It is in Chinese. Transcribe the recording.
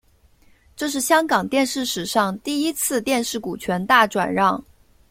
这是香港电视史上第一次电视股权大转让。